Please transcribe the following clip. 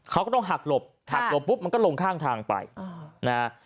เขาก็ต้องหักหลบหักหลบปุ๊บมันก็ลงข้างทางไปนะฮะ